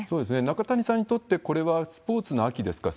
中谷さんにとって、これはスポーツの秋ですか？